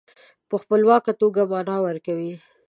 په خپلواکه توګه معنا ورکوي.